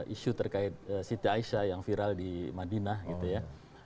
isu terkait siti aisyah yang viral di madinah gitu ya